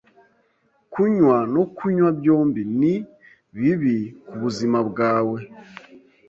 Kunywa no kunywa byombi ni bibi kubuzima bwawe.